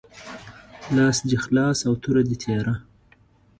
لاس دي خلاص او توره دي تیره